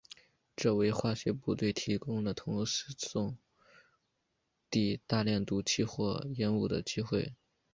这为化学部队提供了同时送递大量毒气或烟雾的机会。